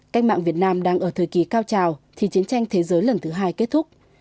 cách mạng việt nam đang ở thời kỳ cao trào khi chiến tranh thế giới lần thứ hai kết thúc